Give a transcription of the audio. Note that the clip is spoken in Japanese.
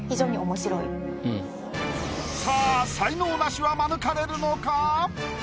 才能ナシは免れるのか？